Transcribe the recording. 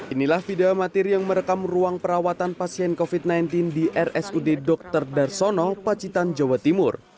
inilah video amatir yang merekam ruang perawatan pasien covid sembilan belas di rsud dr darsono pacitan jawa timur